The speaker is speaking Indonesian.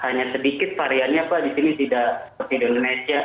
hanya sedikit variannya pak di sini tidak seperti di indonesia